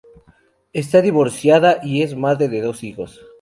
Está divorciada y es madre de dos hijos.